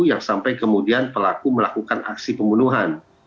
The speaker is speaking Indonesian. yang sampai kemudian pelaku melakukan aksi pembunuhan